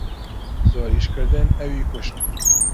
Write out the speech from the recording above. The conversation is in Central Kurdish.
زۆر ئیشکردن ئەوی کوشت.